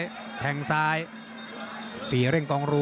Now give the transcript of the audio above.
หมดแรงก็หมดเหลี่ยมทุกอย่างเลย